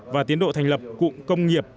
và tiến độ thành lập cụ công nghiệp